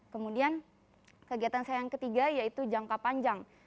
kemudian kegiatan saya yang ketiga yaitu jangka panjang